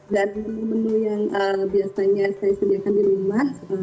dan menu yang biasanya saya sediakan di rumah